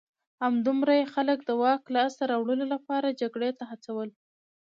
همدومره یې خلک د واک لاسته راوړلو لپاره جګړې ته هڅول